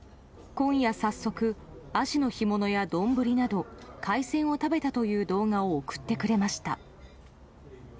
今夜、早速アジの干物や丼など海鮮を食べたという動画を送ってくれました。